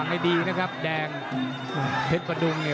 ยิ่งใหญ่มากเลยนะเพราะว่าแสงบริกับภัทรพยักษ์ภัทรพยักษ์กินบังดนนะคู่เอก